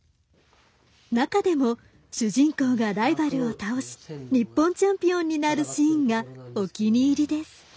中でも主人公がライバルを倒し日本チャンピオンになるシーンがお気に入りです。